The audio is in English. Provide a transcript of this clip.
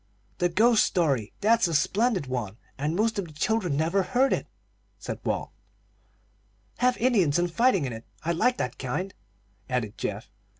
"The ghost story; that's a splendid one, and most of the children never heard it," said Walt. "Have Indians and fighting in it. I like that kind," added Geoff.